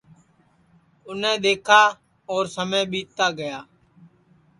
اُنے دؔیکھا اور سمے ٻیتا گیا